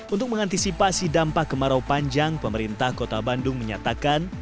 untuk mengantisipasi dampak kemarau panjang pemerintah kota bandung menyatakan